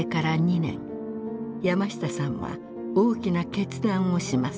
山下さんは大きな決断をします。